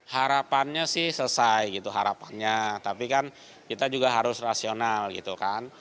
harapannya sih selesai gitu harapannya tapi kan kita juga harus rasional gitu kan